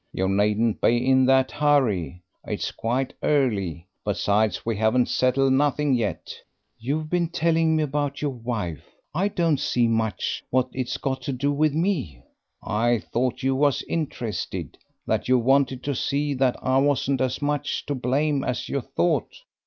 "You needn't be in that hurry. It is quite early. Besides, we haven't settled nothing yet." "You've been telling me about your wife. I don't see much what it's got to do with me." "I thought you was interested... that you wanted to see that I wasn't as much to blame as you thought."